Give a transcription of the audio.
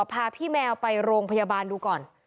พาพี่แมวไปโรงพยาบาลดูก่อน